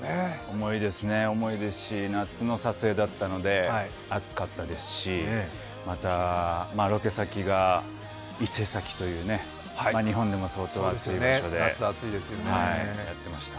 重いですね、重いですし、夏の撮影だったので暑かったですし、またロケ先が伊勢崎という日本でも相当暑い場所でやってました。